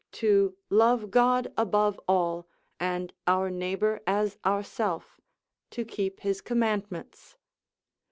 to love God above all, and our neighbour as ourself, to keep his commandments.